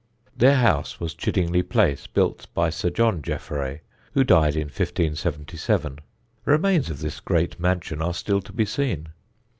Their house was Chiddingly Place, built by Sir John Jefferay, who died in 1577. Remains of this great mansion are still to be seen.